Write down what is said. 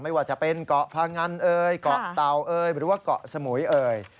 ไม่ว่าจะเป็นเกาะพงันเกาะเตาหรือว่าเกาะสมุย